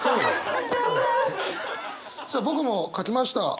さあ僕も書きました。